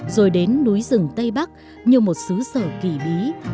rồi đến núi rừng tây bắc như một xứ sở kỳ bí